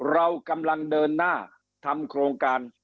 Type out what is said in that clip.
เรากำลังเดินหน้าทำโครงการ